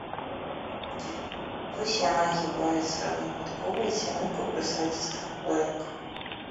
Вось яна агібае срэбнай падковай сямейку прысадзістых хвоек.